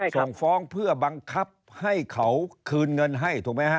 ส่งฟ้องเพื่อบังคับให้เขาคืนเงินให้ถูกไหมฮะ